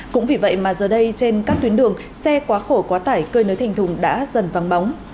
cũng vì vậy mà giờ đây trên các tuyến đường xe quá khổ quá tải cơi nới thành thùng đã dần vắng bóng